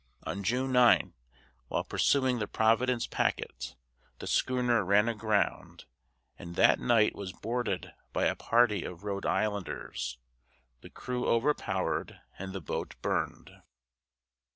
On June 9, while pursuing the Providence Packet, the schooner ran aground, and that night was boarded by a party of Rhode Islanders, the crew overpowered, and the boat burned.